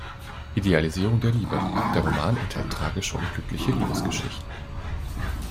Idealisierung der Liebe: Der Roman enthält tragische und glückliche Liebesgeschichten.